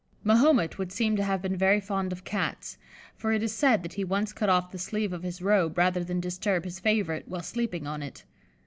Mahomet would seem to have been very fond of Cats, for it is said that he once cut off the sleeve of his robe rather than disturb his favourite while sleeping on it.